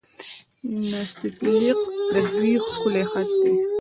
نستعلیق د دوی ښکلی خط دی.